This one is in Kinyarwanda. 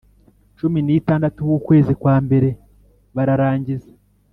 Cumi N Itandatu W Ukwezi Kwa Mbere Bararangiza